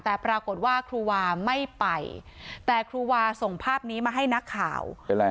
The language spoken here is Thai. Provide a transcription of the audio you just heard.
แต่ปรากฏว่าครูวาไม่ไปแต่ครูวาส่งภาพนี้มาให้นักข่าว